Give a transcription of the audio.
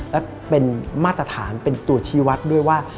และเป็นมาตรฐานเป็นตัวชีวัตรด้วยว่า